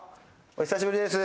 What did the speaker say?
お久しぶりです